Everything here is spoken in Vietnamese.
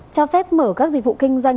cho phép mở các dịch vụ kinh doanh